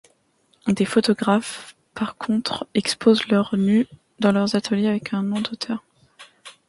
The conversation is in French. Des photographes, par contre, exposent leur nus, dans leurs ateliers, avec un nom d'auteur.